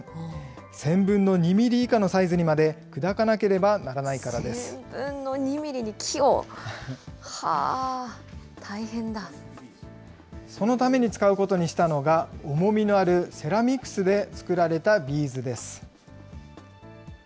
１０００分の２ミリ以下のサイズにまで砕かなければならないから１０００分の２ミリに木を、そのために使うことにしたのが、重みのあるセラミックスで作られたビーズです。